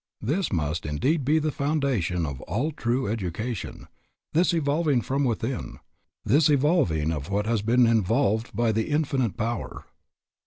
This must indeed be the foundation of all true education, this evolving from within, this evolving of what has been involved by the Infinite Power.